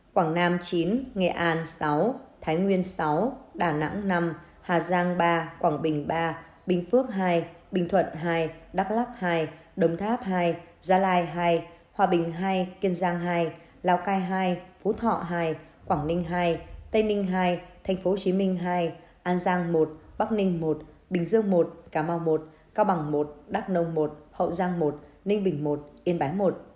quảng nam chín nghệ an sáu thái nguyên sáu đà nẵng năm hà giang ba quảng bình ba bình phước hai bình thuận hai đắk lắk hai đồng tháp hai gia lai hai hòa bình hai kiên giang hai lào cai hai phú thọ hai quảng ninh hai tây ninh hai thành phố hồ chí minh hai an giang một bắc ninh một bình dương một cà mau một cao bằng một đắk nông một hậu giang một ninh bình một yên bái một